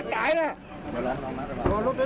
สวัสดีครับทุกคน